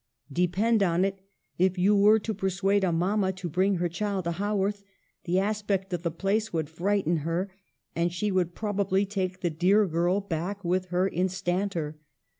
" Depend on it, if you were to persuade a mama to bring her child to Haworth, the aspect of the place would frighten her, and she would probably take the dear girl back with her instanter.